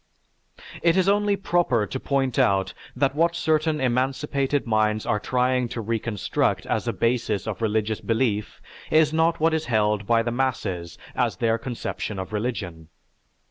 "_) It is only proper to point out that what certain emancipated minds are trying to reconstruct as a basis of religious belief is not what is held by the masses as their conception of religion.